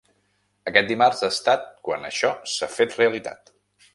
Aquest dimarts ha estat quan això s’ha fet realitat.